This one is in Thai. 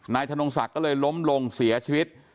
ธนงศักดิ์ก็เลยล้มลงเสียชีวิต